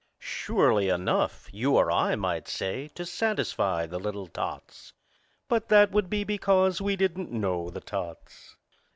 Surely enough, you or I might say, to satisfy the little tots. But that would be because we didn't know the tots.